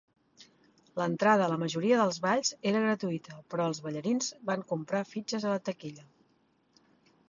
L'entrada a la majoria dels balls era gratuïta però els ballarins van comprar fitxes a la taquilla.